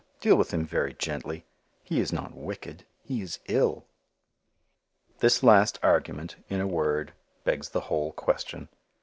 Deal with him very gently. He is not wicked. He is ill. This last argument, in a word, begs the whole question.